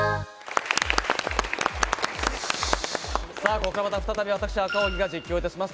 ここからまた再び私赤荻が実況いたします。